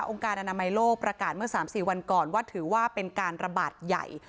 การอนามัยโลกประกาศเมื่อ๓๔วันก่อนว่าถือว่าเป็นการระบาดใหญ่